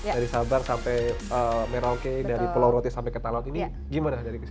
dari sabar sampai merauke dari pulau roti sampai ke talon ini gimana dari kesiapan kris